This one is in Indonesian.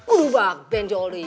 uduh banget benjol lo